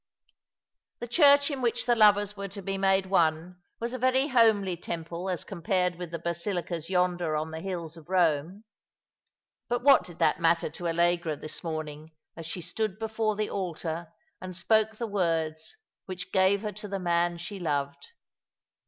The church in which the lovers were to be made one was a very homely temple as compared with the basilicas yonder ^» the hills ©f Eome. But what did that matter to Allegrn *' So, Full Content shall be my Lot!' 289 this morning as she stood before the altar and spoke the words which gave her to the man she loved